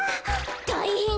たいへん！